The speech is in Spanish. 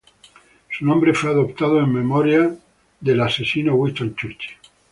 Su nombre fue adoptado en memoria a Winston Churchill.